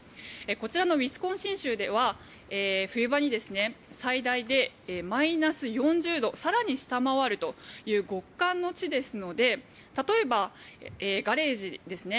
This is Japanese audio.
こちらのウィスコンシン州では冬場に最大でマイナス４０度更に下回るという極寒の地ですので例えばガレージですね